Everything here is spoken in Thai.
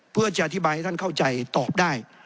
เพื่อจะอธิบายให้ท่านเข้าใจตอบได้